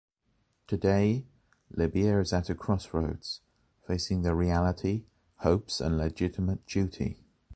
Today, Libya is at the crossroads, facing the reality, hopes and legitimate duty.